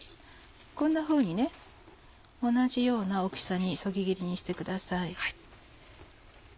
こんなふうに同じような大きさにそぎ切りにしてください。